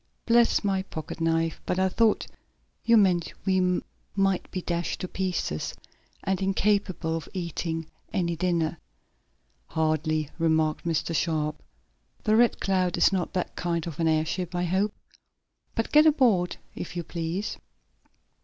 Bless my pocket knife, but I thought you meant we might be dashed to pieces, and incapable of eating any dinner." "Hardly," remarked Mr. Sharp. "The Red Cloud is not that kind of an airship, I hope. But get aboard, if you please."